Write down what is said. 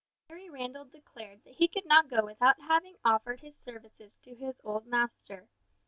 But Harry Randall declared that he could not go without having offered his services to his old master.